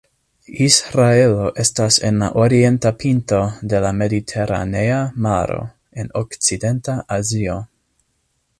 Israelo estas en la orienta pinto de la Mediteranea Maro en Okcidenta Azio.